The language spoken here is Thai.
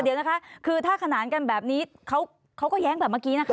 เดี๋ยวนะคะคือถ้าขนานกันแบบนี้เขาก็แย้งแบบเมื่อกี้นะคะ